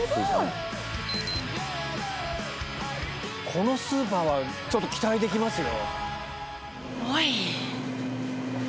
このスーパーはちょっと期待できますよ。